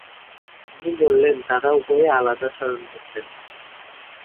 তিনি বলেন, তারা উভয়ে আলাদা শয়ন করতেন।